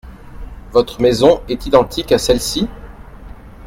Votre maison est identique à celle-ci ?